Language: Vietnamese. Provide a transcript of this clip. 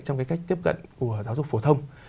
trong cái cách tiếp cận của giáo dục phổ thông